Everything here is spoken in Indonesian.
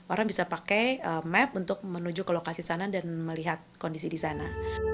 orang bisa pakai map untuk menuju ke lokasi sana dan melihat kondisi di sana